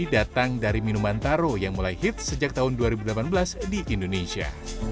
datang dari minuman taro yang mulai hits sejak tahun dua ribu delapan belas di indonesia